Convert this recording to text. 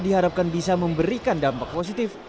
diharapkan bisa memberikan dampak positif